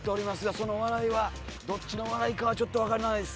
その笑いはどっちの笑いかはちょっと分からないです。